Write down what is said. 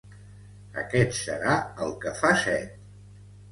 Aquest serà el que fa set.